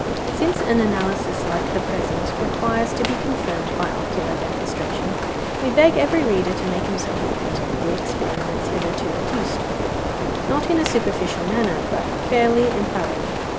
Since an analysis like the present requires to be confirmed by ocular demonstration, we beg every reader to make himself acquainted with the experiments hitherto adduced, not in a superficial manner, but fairly and thoroughly.